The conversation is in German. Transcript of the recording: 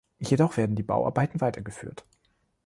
Jedoch werden die Bauarbeiten weitergeführt.